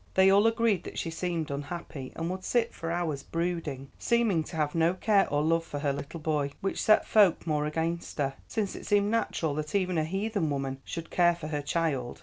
They all agreed that she seemed unhappy, and would sit for hours brooding, seeming to have no care or love for her little boy, which set folk more against her, since it seemed natural that even a heathen woman should care for her child.